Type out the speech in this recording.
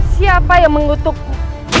siapa yang mengutukmu